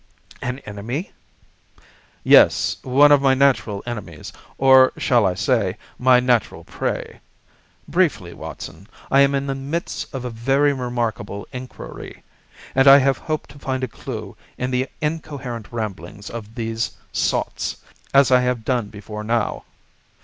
"An enemy?" "Yes; one of my natural enemies, or, shall I say, my natural prey. Briefly, Watson, I am in the midst of a very remarkable inquiry, and I have hoped to find a clue in the incoherent ramblings of these sots, as I have done before now.